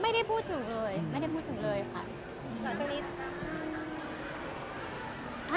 ไม่ได้พูดถึงเลยไม่ได้พูดถึงเลยค่ะ